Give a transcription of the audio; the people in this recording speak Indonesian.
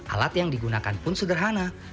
alat yang digunakan pun sederhana